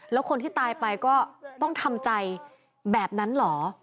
แล้วคนที่ตายไปก็ต้องทำใจแบบนั้นเหรอ